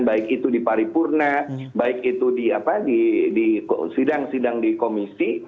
baik itu di paripurna baik itu di sidang sidang di komisi